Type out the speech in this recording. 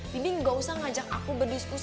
bibi gak usah ngajak aku berdiskusi